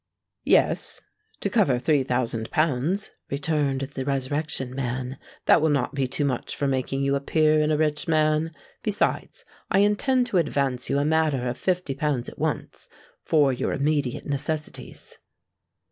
"Yes—to cover three thousand pounds," returned the Resurrection Man. "That will not be too much for making you a peer and a rich man. Besides, I intend to advance you a matter of fifty pounds at once, for your immediate necessities."